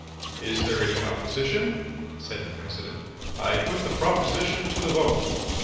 "Is there any opposition?" said the President. "I put the proposition to the vote."